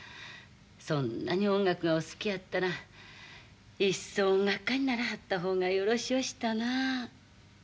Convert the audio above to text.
そんなに音楽がお好きやったらいっそ音楽家にならはった方がよろしゅうおしたな。